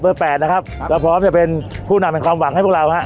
เบอร์แปดนะครับครับแล้วพร้อมจะเป็นผู้หนักเป็นความหวังให้พวกเราฮะ